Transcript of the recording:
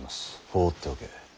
放っておけ。